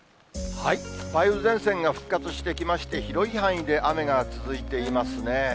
梅雨前線が復活してきまして、広い範囲で雨が続いていますね。